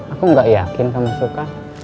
aku gak yakin kamu suka